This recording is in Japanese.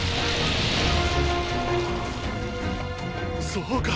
そうか！